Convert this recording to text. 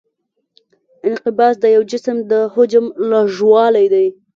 انقباض د یو جسم د حجم لږوالی دی.